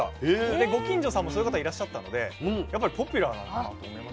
でご近所さんもそういう方いらっしゃったのでやっぱりポピュラーなんだなと思います。